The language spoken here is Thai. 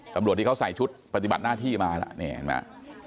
ตำรวจที่เขาใส่ชุดปฏิบัติหน้าที่มาแล้วนี่เห็นไหม